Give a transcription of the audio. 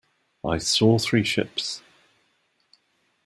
I saw three ships.